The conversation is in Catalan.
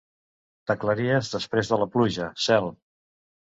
T'aclaries després de la pluja, cel.